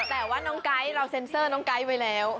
แต่ว่าน้องไก๊เราเซ็นเซอร์น้องไก๊ไว้แล้ว